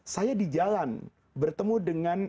saya di jalan bertemu dengan